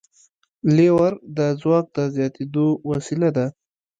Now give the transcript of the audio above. لیور د ځواک د زیاتېدو وسیله ده.